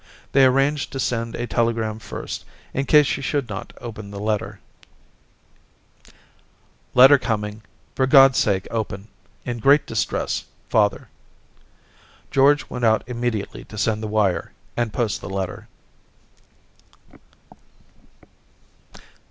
They arranged to send a telegram first, in case she should not open the letter, —' Letter coming ; for GocFs sake open ! In great distress. — Father.' George went out immediately to send the wire and post the letter.